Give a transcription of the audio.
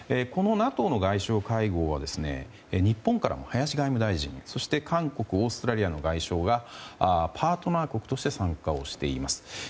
このＮＡＴＯの外相会合には日本からも林外務大臣そして韓国オーストラリアの外相がパートナー国として参加をしています。